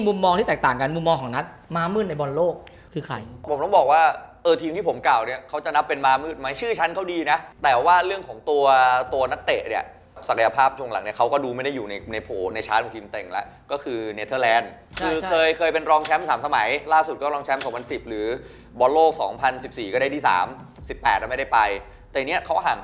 บางคนก็มีมุมมองที่แตกต่างกันมุมมองของนัต